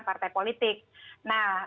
partai politik nah